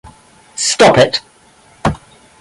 Stop it!